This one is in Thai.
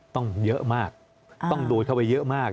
ต้องเยอะมากต้องดูดเข้าไปเยอะมาก